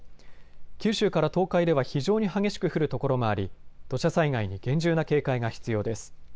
九州から東海では非常に激しく降る所もあり、土砂災害に厳重な警戒が必要です。